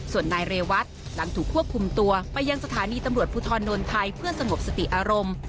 ส่วนนายเรวัตหลังถูกควบคุมตัวไปยังสถานีตำรวจภูทรนนไทยเพื่อสงบสติอารมณ์